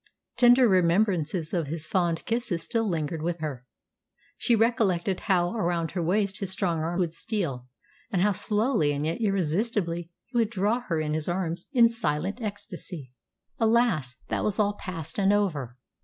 Tender remembrances of his fond kisses still lingered with her. She recollected how around her waist his strong arm would steal, and how slowly and yet irresistibly he would draw her in his arms in silent ecstasy. Alas! that was all past and over.